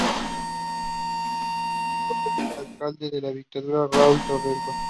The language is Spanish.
Es sobrino del Alcalde de Vitacura, Raúl Torrealba.